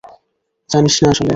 জানি না আসলে!